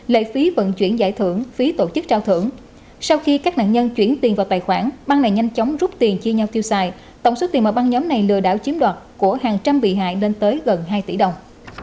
lệ phí vận chuyển giải thưởng phí tổ chức trao thưởng sau khi các nạn nhân chuyển tiền vào tài khoản băng này nhanh chóng rút tiền chia nhau tiêu xài tổng số tiền mà băng nhóm này lừa đảo chiếm đoạt của hàng trăm bị hại lên tới gần hai tỷ đồng